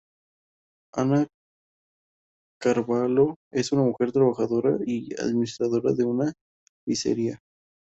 Ana Carvalho es una mujer trabajadora y que administra una pizzería.